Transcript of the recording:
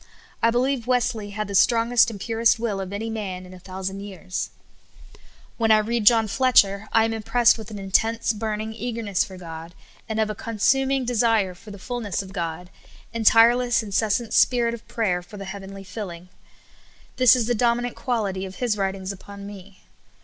I believe Weslc}^ had the strongest and purest will of any man in a thousand years. THE DOMINANT SOUL QUALITY. 77 When I read John Fletcher, I am impressed with an intense, burning eagerness for God, and of a con suming desire for the fulhiess of God, and tireless, in cessant spirit of prayer for the heavenly filling. This is the dominant quality of his writings upon me.